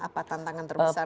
apa tantangan terbesar